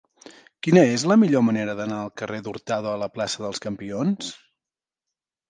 Quina és la millor manera d'anar del carrer d'Hurtado a la plaça dels Campions?